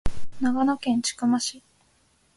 長野県千曲市